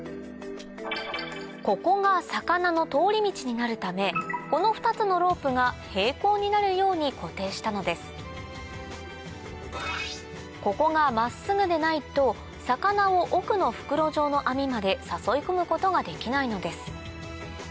ここが魚の通り道になるためこの２つのロープが平行になるように固定したのですここが真っすぐでないと魚を奥の袋状の網まで誘い込むことができないのです